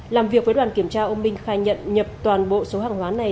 làm việc với đoàn kiểm tra ông minh khai nhận nhập toàn bộ số hàng hóa này